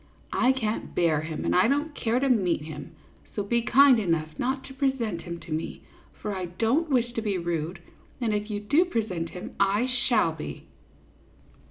I can't bear him, and I don't care to meet him ; so be kind enough not to present him to me, for I don't wish to be rude, and if you do present him, I shall be."